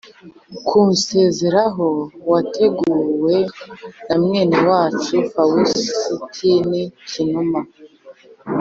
kunsezeraho wateguwe na mwene wacu fawusitini kinuma,